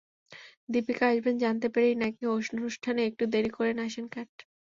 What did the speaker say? দীপিকা আসবেন জানতে পেরেই নাকি অনুষ্ঠানে একটু দেরি করে আসেন ক্যাট।